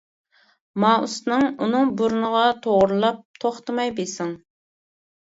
مائۇسنىڭ ئۇنىڭ بۇرنىغا توغرىلاپ توختىماي بىسىڭ!